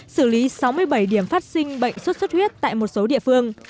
xử lý sáu mươi bảy điểm phát sinh bệnh xuất xuất huyết tại một số địa phương